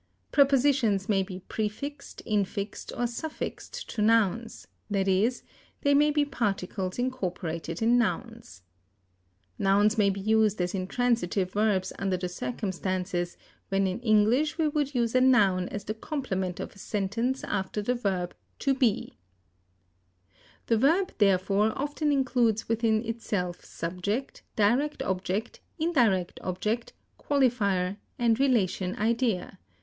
Prepositions may be prefixed, infixed, or suffixed to nouns, i.e., they may be particles incorporated in nouns. Nouns may be used as intransitive verbs under the circumstances when in English we would use a noun as the complement of a sentence after the verb to be. The verb, therefore, often includes within itself subject, direct object, indirect object, qualifier, and relation idea.